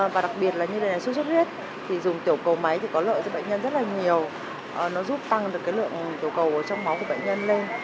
và đặc biệt là như thế này suốt suốt huyết thì dùng tiểu cầu máy thì có lợi cho bệnh nhân rất là nhiều nó giúp tăng được lượng tiểu cầu trong máu của bệnh nhân lên